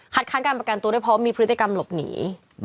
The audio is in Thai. ค้างการประกันตัวด้วยเพราะมีพฤติกรรมหลบหนี